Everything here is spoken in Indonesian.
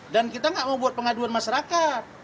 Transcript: dan kita nggak mau buat pengaduan masyarakat